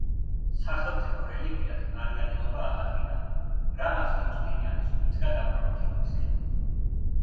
სახელმწიფო რელიგიად არიანელობა აღადგინა, რამაც იუსტინიანეს უბიძგა დაპყრობითი ომისკენ.